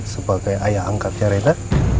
sebagai ayah angkatnya rena